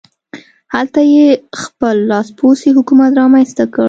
هلته یې خپل لاسپوڅی حکومت رامنځته کړ.